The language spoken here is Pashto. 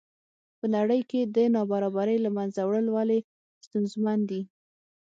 په نړۍ کې د نابرابرۍ له منځه وړل ولې ستونزمن دي.